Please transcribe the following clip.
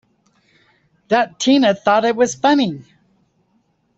That Tina thought it was funny!